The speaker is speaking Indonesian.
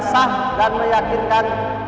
sah dan meyakinkan